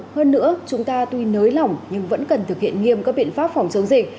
hơn nữa chúng ta tuy nới lỏng nhưng vẫn cần thực hiện nghiêm các biện pháp phòng chống dịch